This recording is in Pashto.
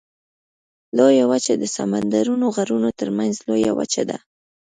لویه وچه د سمندرونو غرونو ترمنځ لویه وچه ده.